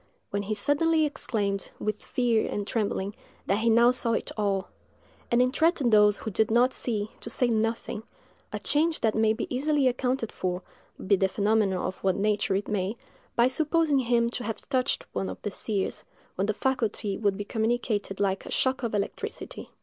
—when he suddenly exclaimed, with fear and trembling, that he now saw it all; and entreated those who did not see, to say nothing—a change that may be easily accounted for, be the phenomenon of what nature it may, by supposing him to have touched one of the seers, when the faculty would be communicated like a shock of electricity.